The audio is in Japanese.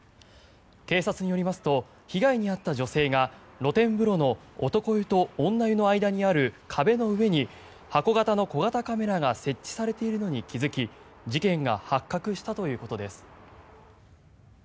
警察によりますと被害に遭った女性が露天風呂の男湯と女湯の間にある壁の上に箱形の小型カメラが設置されているのに気付き事件が発覚したということです。